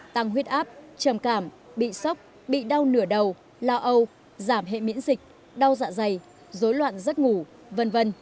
tăng huyết áp trầm cảm bị sốc bị đau nửa đầu lao âu giảm hệ miễn dịch đau dạ dày dối loạn giấc ngủ v v